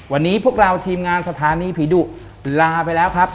วันนี้พวกเราทีมงานสถานีผีดุลาไปแล้วครับ